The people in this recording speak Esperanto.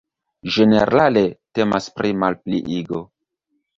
Ĝenerale temas pri malpliigo.